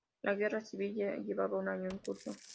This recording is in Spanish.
La Guerra Civil ya llevaba un año en curso.